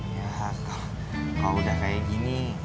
ya kalau udah kayak gini